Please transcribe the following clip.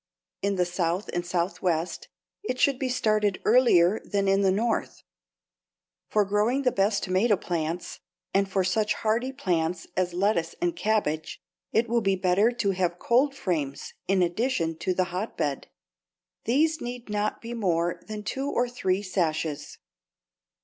In the South and Southwest it should be started earlier than in the North. For growing the best tomato plants, and for such hardy plants as lettuce and cabbage, it will be better to have cold frames in addition to the hotbed; these need not be more than two or three sashes.